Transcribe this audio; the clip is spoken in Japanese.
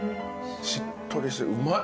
しっとりしてうまい。